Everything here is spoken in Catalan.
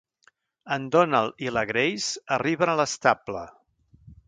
En Donald i la Grace arriben a l'estable.